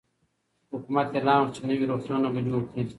حکومت اعلان وکړ چی نوي روغتونونه به جوړ کړي.